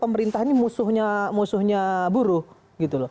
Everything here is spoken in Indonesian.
pemerintah ini musuhnya buruh gitu loh